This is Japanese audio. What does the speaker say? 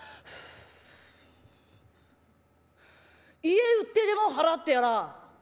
「家売ってでも払ってやらあ」。